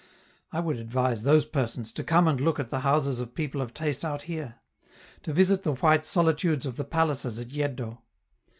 I would advise those persons to come and look at the houses of people of taste out here; to visit the white solitudes of the palaces at Yeddo.